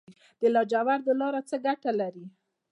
د لاجوردو لاره څه ګټه لري؟